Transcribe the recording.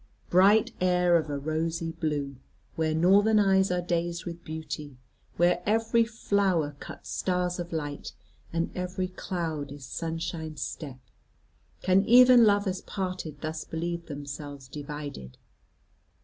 Bright air of a rosy blue, where northern eyes are dazed with beauty, where every flower cuts stars of light, and every cloud is sunshine's step; can even lovers parted thus believe themselves divided?